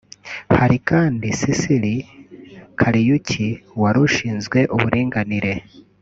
Hari kandi Sicily Kariuki wari ushinzwe uburinganire